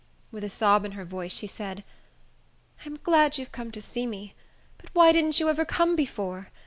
With a sob in her voice, she said, "I'm glad you've come to see me; but why didn't you ever come before?